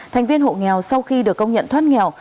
thành viên hộ nghèo sau khi được công nhận thoát nghèo